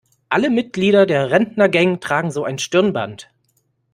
Alle Mitglieder der Rentnergang tragen so ein Stirnband.